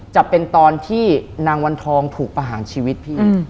จะเป็นตอนที่นางวันทองถูกประหารชีวิตพี่